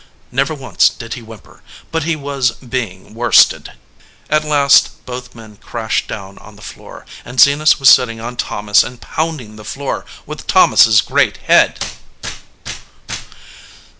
Never once did he whimper, but he was being worsted. At last both men crashed down on the floor, and Zenas was sitting on Thomas and pounding the floor with Thomas s great head.